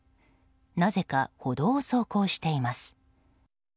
なぜか、歩道を走行しています。